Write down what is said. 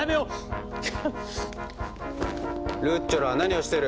「ルッチョラ何をしてる。